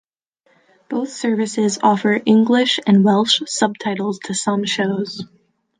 Both services offer English and Welsh subtitles to some shows.